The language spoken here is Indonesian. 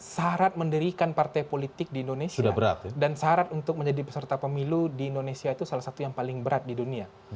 syarat mendirikan partai politik di indonesia dan syarat untuk menjadi peserta pemilu di indonesia itu salah satu yang paling berat di dunia